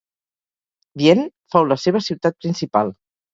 Vienne fou la seva ciutat principal.